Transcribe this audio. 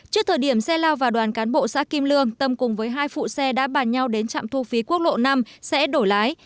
trước thời điểm xe lao vào đoàn cán bộ xã kim lương tâm cùng với hai phụ xe đã bàn nhau đến trạm thu phí quốc lộ năm xe đổ lái